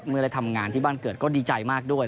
เมื่อได้ทำงานที่บ้านเกิดก็ดีใจมากด้วย